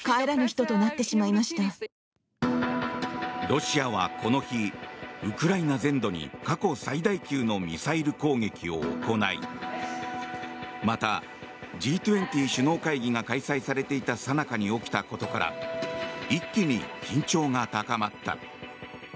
ロシアはこの日ウクライナ全土に過去最大級のミサイル攻撃を行いまた、Ｇ２０首脳会議が開催されていたさなかに起きたことから一気に緊張が高まった。